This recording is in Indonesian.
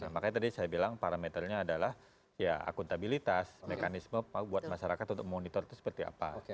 makanya tadi saya bilang parameternya adalah ya akuntabilitas mekanisme buat masyarakat untuk monitor itu seperti apa